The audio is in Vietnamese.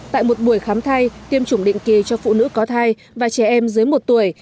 tại một buổi khám thai tiêm chủng định kỳ cho phụ nữ có thai và trẻ em dưới một tuổi